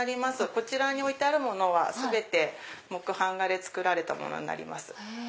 こちらに置いてあるものは全て木版画で作られたものになります。